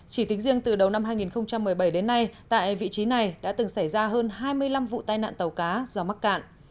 chỉ tính riêng từ đầu năm hai nghìn một mươi bảy đến nay tại vị trí này đã từng xảy ra hơn hai mươi năm vụ tai nạn tàu cá do mắc cạn